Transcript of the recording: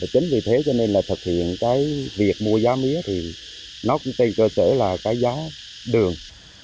chính vì thế cho nên là thực hiện cái việc mua giá mía thì nó cũng tùy cơ sở là cái giá đường